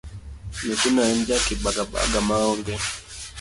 Nyathino en ja kibaga baga maonge.